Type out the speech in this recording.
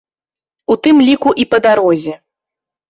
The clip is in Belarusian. У тым ліку і па дарозе.